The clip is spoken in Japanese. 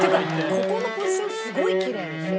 ここのポジションすごいきれいですよ」